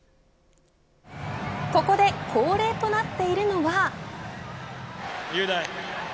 ここで恒例となっているのは。